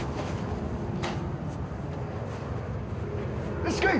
よしこい！